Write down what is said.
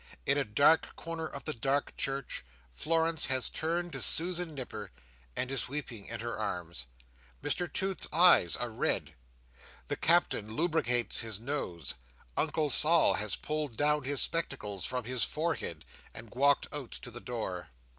In a dark corner of the dark church, Florence has turned to Susan Nipper, and is weeping in her arms. Mr Toots's eyes are red. The Captain lubricates his nose. Uncle Sol has pulled down his spectacles from his forehead, and walked out to the door.